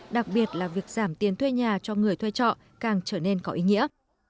đặc biệt là việc giảm tiền thuê nhà cho người thuê trọ càng trở nên có ý nghĩa